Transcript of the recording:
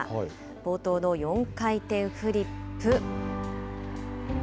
冒頭の４回転フリップ。